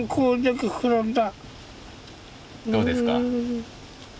どうですか？